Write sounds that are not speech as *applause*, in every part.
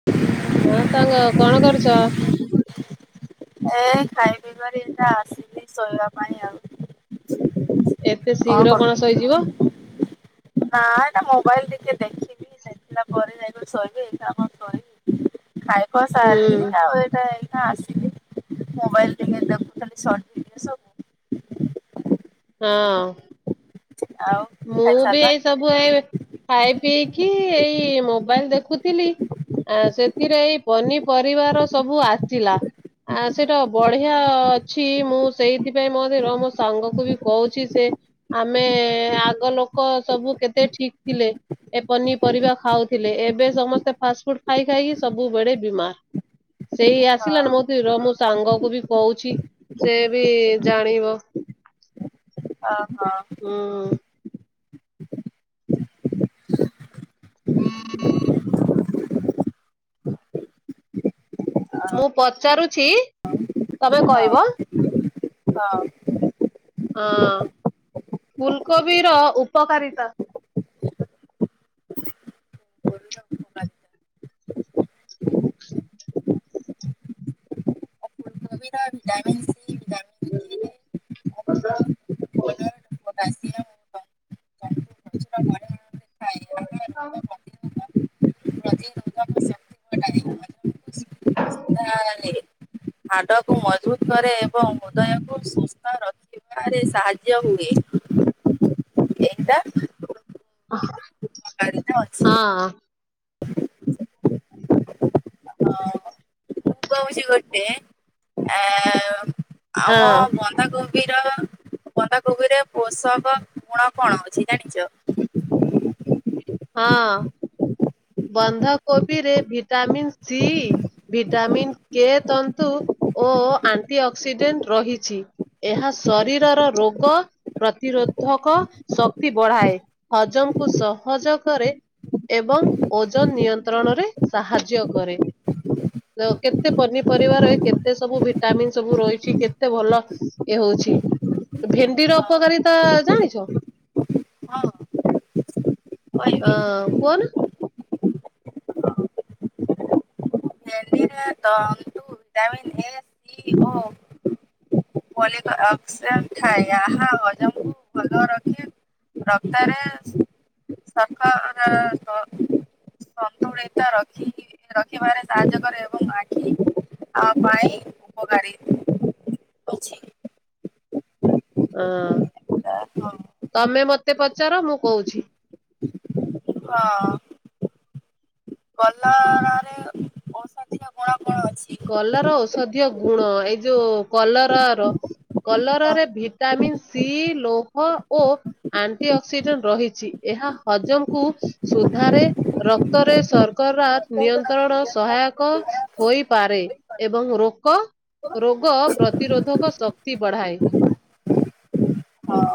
*inaudible* ହଁ ତଙ୍ଗ କଣ କରୁଛ? ଏ ଖାଇ ପିଇବାରି ଏଇଟା ଆସିଲି ଶୋଇବା ପାଇଁ ଆଉ। ଏତେ କଁ ଶୀଘ୍ର କଣ କରୁଛୁ? ଶୋଇଯିବ? ନା ଏଟା ମୋବାଇଲ ଟିକେ ଦେଖିବି। ସେଥିଲା ପରେ ଯାଇକି ଶୋଇିବ ଏଇ ଖୁଣା କଣ ଶୋଇବି। ଖାଇ ଖୁଆ ହୁଁ ସାରିଲି ଆଉ ଏଇଟା ଏଇଖୁଆ ଆସି ମୋବାଇଲ ଟକେ ଦେଖୁଥିଲି ସଟ୍ ଭିଡିଓ ସବୁ। ହଁ। ଆଉ? ଖାଇ ମୁଁ ବି ଏଇ ସାରିଲଣି? ସବୁ ଏ ଖାଇ ପିଇକି ଏଇ ମୋବାଇଲ ଦେଖୁଥିଲି ଆ ସେଥିରେ ଏଇ ପନିପରିବାର ସବୁ ଆସିଲା। ଆ ସେଇଟା ବଢିଆ ଅଛି ମୁଁ ସେଇଥିପାଇଁ ମଧ୍ୟ ର ମୋ ସାଙ୍ଗ କୁ ବି କହୁଛି ସେ ଆମେ ଆଗ ଲୋକ ସବୁ କେତେ ଠିକ୍ ଥିଲେ। ଏ ପନିପରିବା ଖାଉଥିଲେ, ଏବେ ସମସ୍ତେ ଫାଷ୍ଟ ଫୁଡ ଖାଇ ଖାଇକି ସବୁବେଡେ ବିମାର। ସେଇ ହଁ ଆସିଲାନ ମୋତି ର ମୋ ସାଙ୍ଗକୁ ବି କହୁଛି ସେ ବି ଜାଣିବ। ଅହଁ। ହୁଁ। *inaudible* ମୁଁ ପଚାରୁଚି ତମେ କହିବ। ହଉ। ହଁ ଫୁଲକୋବି ର ଉପକାରିତା ହଁ। *unintelligible* କଥା। କେ ଫୋଲେଟ୍ *unintelligible* ତନ୍ତୁ ପ୍ରଚୁର ପରିମାଣରେ ଥାଏ ଏହା ରୋଗ *inaudible* ପ୍ରତିରୋଧ ପ୍ରତିରୋଧକ ଶକ୍ତି ବଢ଼ାଏ ହଜମକୁ *unintelligible* ହାଡ଼କୁ ମଜବୁତ୍ କରେ ଏବଂ ହୃଦୟକୁ ସୁ ରଖିବାରେ ସାହାଯ୍ୟ ହୁଏ ଏଇଟା ହ କାରିତା ଅଛି। *unintelligible* ହଁ ଆମ ବନ୍ ବନ୍ଧାକୋବିର -ବନ୍ଧାକୋବିରେ ପୋଷକ ଗୁଣ କଣ ଅଛି ଜାଣିଚ? ହଁ। ବନ୍ଧାକୋବି ରେ ଭିଟାମିିନ୍ ସି ଭିଟାମିନ୍ କେ ତନ୍ତୁ ଓ ଆଣ୍ଟି ଅକ୍ସିଡେଣ୍ଟ୍ ରହିଛି। ଏହା ଶରୀରର ରୋଗ ପ୍ରତିରୋଧକ ଶକ୍ତି ବଢାଏ ହଜମକୁ ସହଜ କରେ ଏବଂ ଓଜନ୍ ନିୟନ୍ତ୍ରଣରେ ସାହାଯ୍ୟ କରେ। ଦେଖ କେତେ ପନିପରିବାରେ କେତେ ସବୁ ଭିଟାମିିନ୍ ସବୁ ରହିଚି କେତେ ଭଲ ଏ ହଉଛି ଭେଣ୍ଡି ର ଉପକାରିତା ଜାଣିଚ? ହଁ କହିବି ଅଁ- କୁଅନା। *unintelligible* ଭିଟାମିିନ୍ ଏ ସି ଓ ପଲିକ୍ ଅକ୍ସେନ୍ ଥାଏ ଏହା ହଜମକୁ ଭଲ ରଖେ ରକ୍ତରେ ଶର୍କରା କ ସନ୍ତୁଳିତ ରଖିକି- ରଖିବାରେ ସାହାଯ୍ୟ କରେ। ଏବଂ ଆଖି ଆ ପାଇଁ ଉପକାରୀ। ଅଛି। ଅଁ- ହଁ। ତମେ ମତେ ପଚାର ମୁଁ କହୁଚି। ହଁ। କଲ ଔଷଧୀୟ ଗୁଣ କଣ ଅଛି? କଲାର ଔଷଧୀୟ ଗୁଣ ଏଇ ଯଉ କଲରା ର। କଲରା ହଁ। ରେ ଭିଟାମିିନ୍ ସି, ଲୌହ ଓ ଆଣ୍ଟି ଅକ୍ସିଡେଣ୍ଟ୍ ରହିଚି ଏହା ହଜମକୁ ସୁଧାରେ ରକ୍ତରେ ଶର୍କରା ନିୟନ୍ତ୍ରଣ ସହାୟକ ହୋଇ ପାରେ ଏବଂ ରୋକ -ରୋଗ ପ୍ରତିରୋଧକ ଶକ୍ତି ବଢାଏ। ହଁ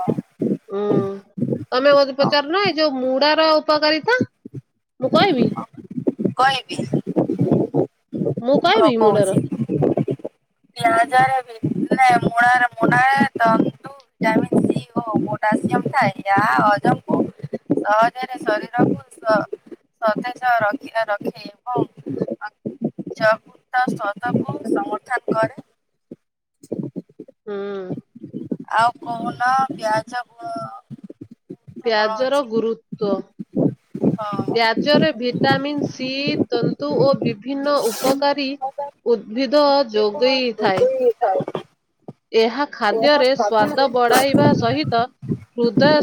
ହୁଁ ତମେ ମତେ ପଚାରୁନ ଏଇ ଯଉ ମୁଡାର ଉପକାରିତା। ମୁଁ କହିବି। କହିଵି। ମୁଁ ହଁ କହିବି କହୁଚି। ମୁଡାର। ପିଆଜ ର ବି ନା ମୁଳାର- ମୁଳାର ତନ୍ତୁ ଭିଟାମିନ ସି ଓ ପୋଟାସିୟମ ଥାଏ ଜାହା ହଜମ କୁ, ସହଜରେ ଶରୀରକୁ ସ ସତେଜ ରଖି ବା ରଖେ। ହଁ। ଏଟା ସଦକୁ ସମର୍ଥନ କରେ। ହୁଁ। ଆଉ କହୁନ ପିଆଜ କ, ପିଆଜର ଗୁରୁତ୍ୱ, ହଁ ହଁ ପିଆଜରେ ଭି ଭିଟାମିନ ସି ତନ୍ତୁ ଓ ବିଭିନ୍ନ ଉପକାରୀ, ଉଦ୍ଭିଦ ଯୋଗେଇ ଥାଏ। ହେଇ ଥାଏ। ଏହା ଖାଦ୍ୟରେ ସ୍ଵାଦ ଅ ବଢାଇବା ସହିତ, ହୃଦୟ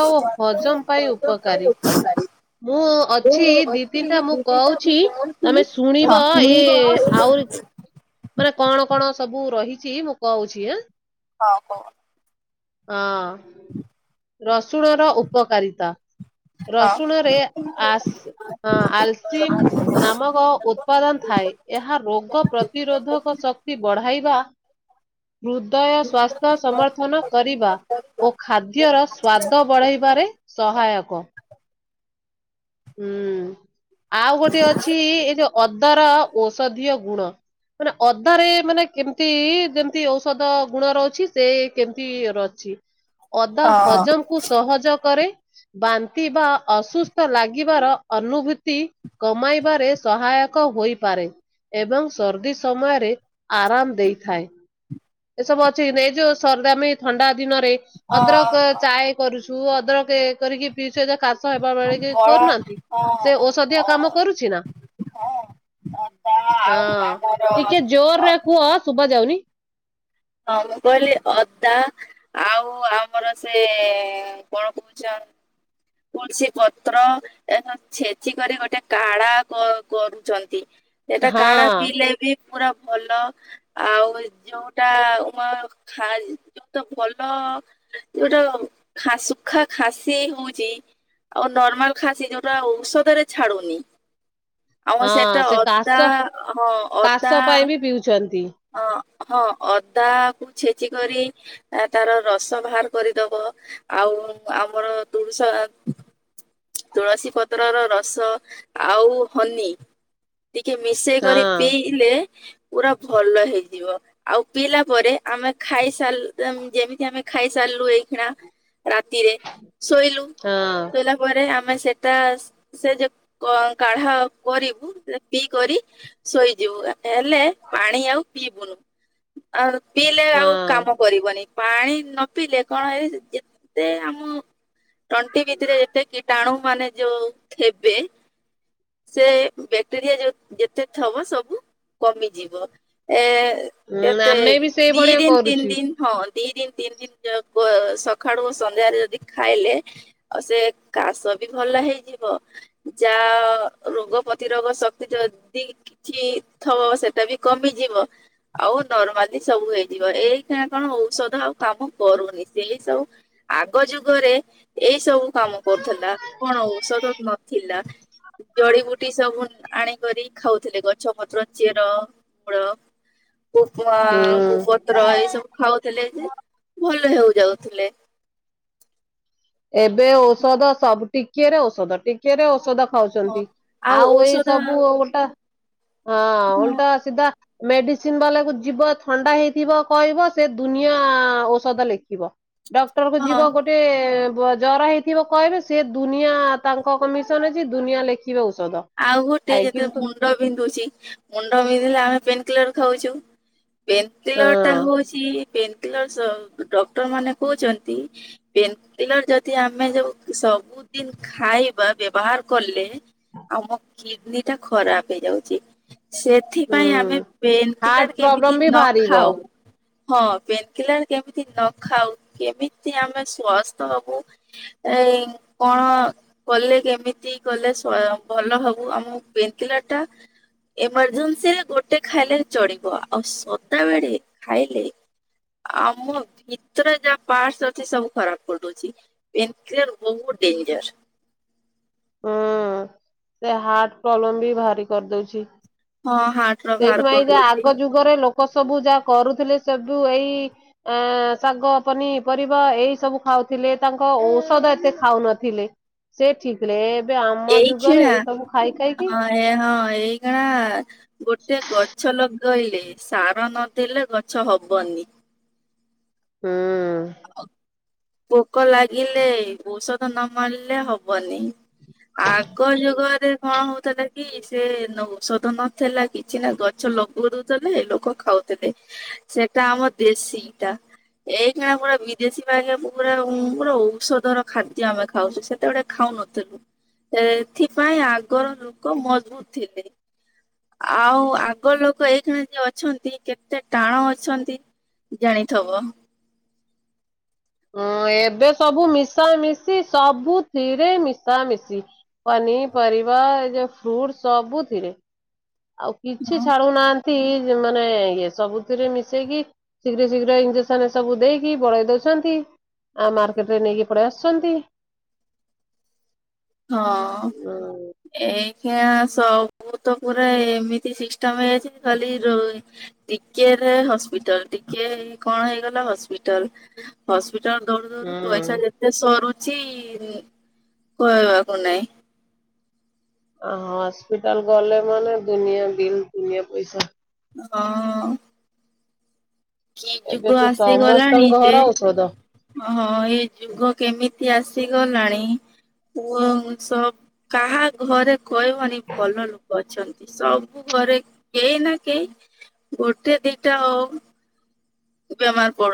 ହଁ ଓ ଅଦା ହଜମ ପାଇଁ ଆଉ ଉପକାରୀ। ମୁଁ ଅଛି ଦି ତିନିଟା ମୁଁ କହୁଛି ତମେ ଶୁଣିବ ଏ ଆଉରି, ମାନେ କଣ କଣ ସବୁ ରହିଛି ମୁଁ କହୁଛି ଆଁ। ହଁ କହ। ଅଁ ରସୁଣ ର ଉପକାରିତା, ରସୁଣରେ, ଆସ ହଁ ଆଲସିମ୍, ନାମକ ଉତ୍ପାଦନ ଥାଏ, ଏହା ରୋଗ ପ୍ରତିରୋଧକ ଶକ୍ତି ବଢାଇବା, *inaudible* ହୃଦୟ ସ୍ୱାସ୍ଥ୍ୟ ସମର୍ଥନ, ଡିବା ଓ ଖାଦ୍ୟର ସ୍ୱାଦ ବଢେଇବାରେ ସହାୟକ। ହୁଁ, ଆଉ ଗୋଟେ ଅଛି ଏଇ ଯୋଉ ଅଦାର ଔଷଧୀୟ ଗୁଣ। ମାନେ ଅଦାରେ ମାନେ କେମତି ଯେମତି ଔଷଧ ଗୁଣ ରହୁଛି, ସେ କେମିତି ଅଛି। *inaudible* ଅଦା ହଜମ୍ ସହଜ କରେ, ବାନ୍ତିି ବା ଅସୁସ୍ଥ ଲାଗ୍ କିବାର ଅନୁଭୂତି କମାଇବାରେ ସହାୟକ ହୋଇପାରେ। ଏବଂ ସର୍ଦ୍ଦି ସମୟରେ ଆରାମ୍ ଦେଇଥାଏ। ଏସବୁ ଅଛି ଏ ଯଉ ସର୍ଦାମୀ ଥଣ୍ଡା ଦିନରେ ଅଦ୍ରକ ଚାଏ କରୁଚୁ, ଅଦରକ୍ ଇଏ କରିକି ପିଉଛୁ ଯେ କାଶ୍ କାଶ ହେବା ବେଳେ କି କରୁନାହାନ୍ତି ସେ ଔଷଧିଆ କାମ କରୁଚି ନା? ହଁ, ଆମର ଟିକେ ଜୋର୍ ହଁ ରେ କୁହ ଶୁଭା ଯାଉନି। ହଁ ମୁଁ କହିଲି ଅଦା ଆଉ ଆମର ସେ କଣ କହୁଛନ୍ ତୁଳସୀ ପତ୍ର ଛେଚିକରି ଗୋଟେ କାଢା କ କରୁଛନ୍ତି। ସେଟା କାଢା ହଁ ପିଇଲେ ବି ପୁରା ଭଲ। ଆଉ ଯଉଟା *unintelligible* ଖାଲି। ଯଉଟା ଭଲ ଯଉଟା ସୁଖା ଖାସି ହଉ ଚି, ଆଉ ନର୍ମାଲ୍ ଖାସି ଯଉଟା ଔଷଧରେ ଛାଡୁନି ଆମର ସେଟା ହଁ ସେ କାଶ ଅଦା ହଁ କାଶ ଅଦା ପାଇଁ ବି ପିଉଛନ୍ତି। ଅ ହଁ ଅଦା କୁ ଛେଚି କରି ଆ ତାର ରସ ବାହାର କରିଦବ ଆଉ ଆମର ତୁଳୁସା ତୁଳସୀ ପତ୍ରର ରସ ଆଉ ହନି ଟିକେ ମିଶେଇ କରି ହଁ ପିଇଲେ ପୁରା ଭଲ ହେଇଯିବ। ଆଉ ପିଇଲା ପରେ ଆମେ ଖାଇସାରିଲ୍ ଯେମିତି ଆମେ ଖାଇସାରଲୁ ଏଇ ଖିଣା ରାତିରେ ଶୋଇଲୁ, ହଁ। ଶୋଇଲା ପରେ ଆମେ ସେଟା ସେ ଯେ କ କାଢା କରିବୁ ସେ ପିଇ କରି ଶୋଇଯିବୁ ହେଲେ ପାଣି ଆଉ ପିଇବୁନୁ ଆଉ ପିଇଲେ ଆଉ ହଁ କାମ କରିବନି ପାଣି ନ ପିଇଲେ କଣ ଏ ଯେତେ ଆମ ତଣ୍ଟି ଭିତରେ ଯେତେ କିଟାଣୁ ମାନେ ଯୋଉ ଥେବେ ସେ ବ୍ୟାକ୍ଟେରିଆ ଯେ ଯେତେ ଥବ ସବୁ କମିଯିବ ଏ ଉଁ କେତେ ଆମେ ବି ଦି ସେଇଭଳିଆ ଦିନ୍ ତିନ୍ କରୁଛୁ। ଦିନ୍ ହଁ ଦି ଦିନ୍ ତିନି ଦିନ ସକାଳୁ ସନ୍ଧ୍ୟାରେ ଯଦି ଖାଇଲେ ଆଉ ସେ କାଶ ବି ଭଲ ହେଇଯିବ। ଯା ରୋଗ ପ୍ରତିରୋଗ ଶକ୍ତି ଯଦି କିଛି ଥବ ସେଟା ବି କମିଯିବ। ଆଉ ନର୍ମାଲୀ ସବୁ ହେଇଯିବ ଏଇ ଟା କଣ ଔଷଧ ଆଉ କାମ କରୁନି ସେଇ ସବୁ ଆଗ ଯୁଗରେ ଏଇ ସବୁ କାମ କରୁଥିଲା କଣ ଔଷଧ ନଥିଲା ଜଡିିବୁଟି ସବୁ ଆଣିକରି ଖାଉଥିଲେ ଗଛ, ପତ୍ର, ଚେର, ମୂଳ କୁପମା ହୁଁ କୁ ପତ୍ର ଏଇ ସବୁ ଖାଉଥିଲେ ଯେ ଭଲ ହେଉ ଯାଉଥିଲେ। ଏବେ ଔଷଧ ସବୁ ଟିକେରେ ଔଷଧ ଟିକେରେ ଔଷଧ ହଁ ଖାଉଚନ୍ତି ଆଉ ଏଇ ସବୁ ଓଲ୍ଟା ହଁ ଓଲ୍ଟା ସିଧା ମେଡ଼ିସିନ୍ ବାଲାକୁ ଯିବ ଥଣ୍ଡା ହେଇଥିବ କହିବ ସେ ଦୁନିଆ ଔଷଧ ଲେଖିବ। ଡକ୍ଟର କୁ ହଁ ଯିବ ଗୋଟେ ପୁଅ ଜର ହେଇଥିବ କହିଲେ ସେ ଦୁନିଆ ତାଙ୍କ କମିଶନ୍ ଅଛି ଦୁନିଆ ଲେଖିବ ଔଷଧ। ଆଉ ଗୋଟେ ଆଇ ଯତି କିନ୍ତୁ ମୁଣ୍ଡ ବିନ୍ଧୁଚି ମୁଣ୍ଡ ବିନ୍ଧିଲେ ଆମେ ପେନ୍ କିଲର୍ ଖାଉଚୁ ପେନ୍ ହଁ କିଲର୍ ଟା ହଉଚି ପେନ୍ କିଲରସ୍ ଡକ୍ଟର ମାନେ କହୁଚନ୍ତି ପେନ୍ କିଲର୍ ଯଦି ଆମେ ଯଉ ସବୁଦିନ୍ ଖାଇବା ବ୍ୟବହାର କଲେ ଆମ କିଡନୀ ଟା ଖରାପ ହେଇଯାଉଚି ସେ ସେଥିପାଇଁ ଆମେ ହୁଁ ପେନ୍ ହାର୍ଟ କିଲର୍ ପ୍ରୋବ୍ଲେମ କେମିତି ବି ନ ବାହାରିବ। ଖାଉ ହଁ ପେନ୍ କିଲର୍ କେମିତି ନ ଖାଉ କେମିତି ଆମେ ସ୍ଵସ୍ଥ୍ ହବୁ ଏ କଣ କଲେ କେମିତି କଲେ ସ୍ଵୟଂ ଭଲ ହବୁ ଆମକୁ ପେନ୍ କିଲର୍ ଟା ଏମର୍ଜେନ୍ସିରେ ଗୋଟେ ଖାଇଲେ ଚଳିବ ଆଉ ସଦାବେଳେ ଖାଇଲେ ଆମ ଭିତରେ ଯାହା ପାର୍ଟସ୍ ଅଛି ସବୁ ଖରାପ କରିଦଉଛି। ପେନକ୍ଲିଅର୍ ବହୁତ ଡେଞ୍ଜର। ହୁଁ ସେ ହାର୍ଟ ପ୍ରୋବ୍ଲେମ ବି ଭାରି କରିଦଉଛି। ହଁ ହାର୍ଟ ର ବାହାର ସେଇଥିପାଇଁ ଯା କରିଦଉଛି। ଆଗ ଯୁଗରେ ଲୋକ ସବୁ ଯାହା କରୁଥିଲେ ସବୁ ଏଇ ଆ ଶାଗ ପନିପରିବା ଏଇ ସବୁ ଖାଉଥିଲେ ତାଙ୍କ ଔଷଧ ଏତେ ଖାଉନଥିଲେ। ସେ ଠିକ ଏବେ ଆମ ଯୁଗରେ ଏଇ ସବୁ ଖାଇ ଖାଇକି। ଆ ହଁ ଏଇଗଣା ଗୋଟେ ଗଛ ଲଗେଇଲେ ସାର ନ ଦେଲେ ଗଛ ହବନି। ହୁଁ। ଅ ପୋକ ଲାଗିଲେ ଔଷଧ ନ ମାରିଲେ ହବନି। ଆଗ ଯୁଗରେ କଣ ହଉଥିଲା? କି ସେ ଔଷଧ ନଥିଲା କିଛି ନା ଗଛ ଲଗଉଥିଲେ ଲୋକ ଖାଉଥିଲେ। ସେଟା ଆମର ଦେସି ଟା ଏଇକ୍ଷୀନା ପୁରା ବିଦେଶୀ ବାଗିଆ ପୁରା ପୁରା ଔଷଧର ଖାଦ୍ୟ ଆମେ ଖାଉଛୁ ସେତେବେଳେ ଖାଉନଥିଲୁ? ଏଥିପାଇଁ ଆଗର ଲୋକ ମଜବୁତ ଥିଲେ। ଆଉ ଆଗ ଲୋକ ଏଇ ଖଣେ ଯିଏ ଅଛନ୍ତି କେତେ ଟାଣ ଅଛନ୍ତି। ଜାଣିଥବ। ହଁ ଏବେ ସବୁ ମିଶାମିଶି ସବୁଥିରେ ମିଶାମିଶି। ପନିପରିବା ଏ ଯୋଉ ଫ୍ରୁଟ ସବୁଥିରେ। ଆଉ କିଛି ହଁ। ଛାଡ଼ୁନାହାନ୍ତି ମାନେ ଇଏ ସବୁଥିରେ ମିଶେଇକି ଶୀଘ୍ର ଶୀଘ୍ର ଇଞ୍ଜେସନ ସବୁ ଦେଇକି ବଳେଇ ଦଉଛନ୍ତି। ଆଉ ମାର୍କେଟ ରେ ନେଇକି ପଳେଇ ଆସୁଛନ୍ତି। ହଁ ଉଁ ଏଇ ଖିଆଁ ସ ମୁଁ ତ ପୁରା ଏମିତି ସିଷ୍ଟମ ହେଇଛି ଖାଲି ରୋ ଟିକେ ରେ ହସ୍ପିଟାଲ ଟିକେ କଣ ହେଇଗଲା ହସ୍ପିଟଲ। ହସ୍ପିଟାଲ ଦୌରୁ ଦୌରୁ ପଇସା ହୁଁ। ଯେତେ ସରୁଛି କହିବାକୁ ନାହିଁ। ଆ ହ ହସ୍ପିଟାଲ ଗଲେ ମାନେ ଦୁନିଆ ବିଲ୍ ଦୁନିଆ ପଇସା। ହଁ। କି ଏବେ ଯୁଗ ତ ଆସିଗଲାଣି ସମସ୍ତଙ୍କ ଯେ ଘର ଔଷଧ। ଓହଁ ଏଇ ଯୁଗ କେମିତି ଆସିଗଲାଣି? ୱଙ୍ଗ ସହ କାହା ଘରେ କହିବନି ଭଲ ଲୋକ ଅଛନ୍ତି। ସବୁ ଘରେ କେହି ନା କେହି ଗୋଟେ ଦିଟା ହଉ ତୁ ବେମାର ପଡ଼